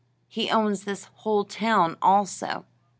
He owns this whole town, also."